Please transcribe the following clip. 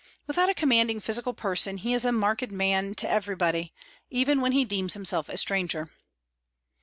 Without a commanding physical person, he is a marked man to everybody, even when he deems himself a stranger.